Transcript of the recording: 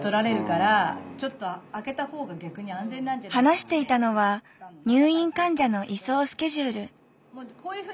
話していたのは入院患者の移送スケジュール。